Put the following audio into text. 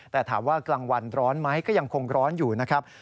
แต่ถามว่ากลางวันร้อนไหมก็ยังคงร้อนอยู่นะครับ